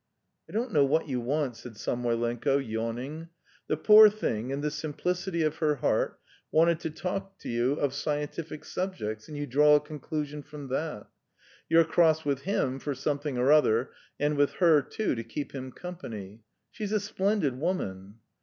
"I don't know what you want," said Samoylenko, yawning; "the poor thing, in the simplicity of her heart, wanted to talk to you of scientific subjects, and you draw a conclusion from that. You're cross with him for something or other, and with her, too, to keep him company. She's a splendid woman."